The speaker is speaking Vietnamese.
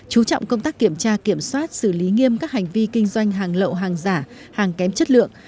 chú trọng công tác kiểm tra kiểm soát xử lý nghiêm các hành vi kinh doanh hàng lậu hàng giả hàng kém chất lượng